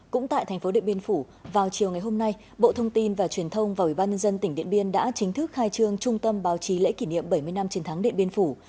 cũng tại thành phố điện biên phủ vào chiều ngày hôm nay bộ thông tin và truyền thông và ủy ban nhân dân tỉnh điện biên đã chính thức khai trương trung tâm báo chí lễ kỷ niệm bảy mươi năm chiến thắng điện biên phủ